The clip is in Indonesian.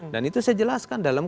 dan itu saya jelaskan dalam